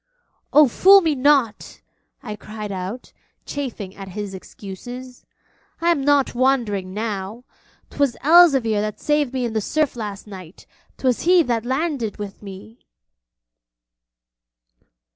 'Oh, fool me not!' I cried out, chafing at his excuses; 'I am not wandering now. 'Twas Elzevir that saved me in the surf last night. 'Twas he that landed with me.'